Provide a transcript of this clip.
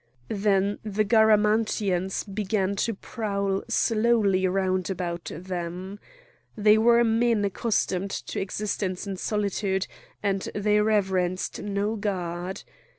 Then the Garamantians began to prowl slowly round about them. They were men accustomed to existence in solitude, and they reverenced no god.